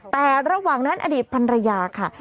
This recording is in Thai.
แต่ระหว่างนั้นอดีตพันรยาค่ะ